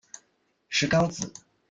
石皋子。